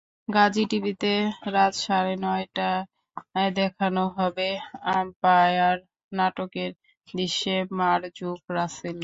গাজী টিভিতে রাত সাড়ে নয়টায় দেখানো হবেআম্পায়ার নাটকের দৃশ্যে মারজুক রাসেল।